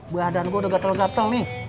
badan gua udah gatel gatel nih